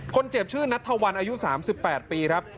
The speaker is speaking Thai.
คนเจ็บชื่อนัทธวันอายุ๓๘ปีครับ